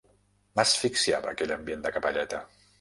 M'asfixiava aquell ambient de capelleta.